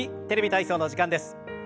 「テレビ体操」の時間です。